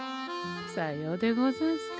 さようでござんすか。